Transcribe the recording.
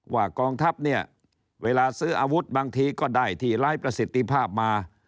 กองทัพเนี่ยเวลาซื้ออาวุธบางทีก็ได้ที่ร้ายประสิทธิภาพมา